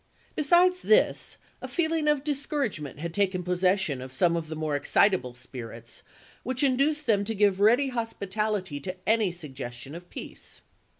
Besides this, a feeling of discour agement had taken possession of some of the more excitable spirits, which induced them to give ready hospitality to any suggestions of peace.